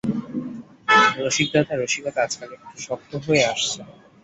রসিকদাদার রসিকতা আজকাল একটু শক্ত হয়ে আসছে!